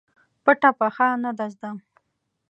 پټه پڅه نه ده زده.